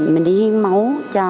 mình đi hiến máu